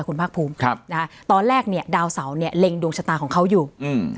คุณภาคภูมิครับนะฮะตอนแรกเนี้ยดาวเสาเนี้ยเล็งดวงชะตาของเขาอยู่อืม